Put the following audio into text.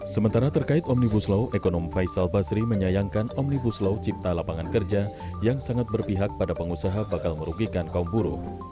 sementara terkait omnibus law ekonom faisal basri menyayangkan omnibus law cipta lapangan kerja yang sangat berpihak pada pengusaha bakal merugikan kaum buruh